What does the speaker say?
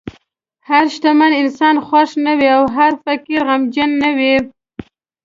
هر شتمن انسان خوښ نه وي، او هر فقیر غمجن نه وي.